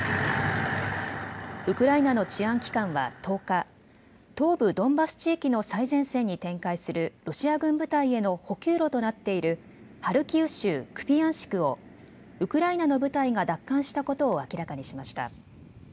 ウクライナの治安機関は１０日、東部ドンバス地域の最前線に展開するロシア軍部隊への補給路となっているハルキウ州クピヤンシクをウクライナの部隊が奪還したことを明らかにしました。